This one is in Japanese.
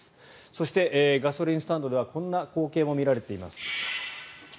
そしてガソリンスタンドではこんな光景も見られています。